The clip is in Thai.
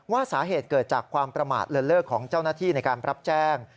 สาเหตุเกิดจากความประมาทเลินเลิกของเจ้าหน้าที่ในการรับแจ้ง